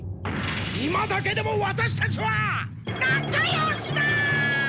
今だけでもワタシたちはなかよしだ！